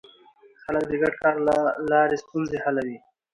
خلک د ګډ کار له لارې ستونزې حلوي